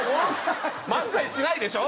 漫才しないでしょ。